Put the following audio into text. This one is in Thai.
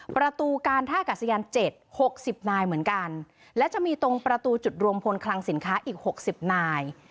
ประตูการท่ากัศยาน๗๖๐นายเหมือนกันและจะมีตรงประตูจุดรวมพลคลังสินค้าอีก๖๐นาย